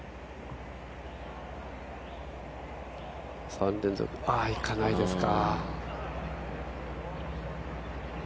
３連続いかないですか。